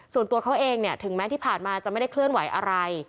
ส่วนตัวเขาเองเนี่ยถึงแม้ที่ผ่านมาจะไม่ได้เคลื่อนไหวอะไร